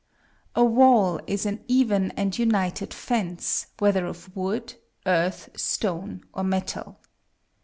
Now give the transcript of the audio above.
_ A wall is an even and united fence, whether of wood, earth, stone, or metal.